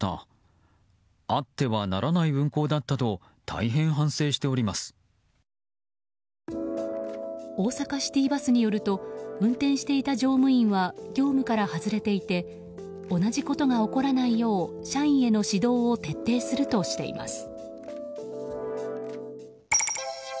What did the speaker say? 大阪シティバスによると運転していた乗務員は業務から外れていて同じことが起こらないよう社員への指導を徹底するとしています。